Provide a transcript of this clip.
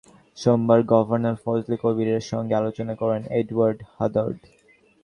বাংলাদেশ ব্যাংকে গিয়ে গতকাল সোমবার গভর্নর ফজলে কবিরের সঙ্গে আলোচনা করেন এডওয়ার্ড হাদ্দাদ।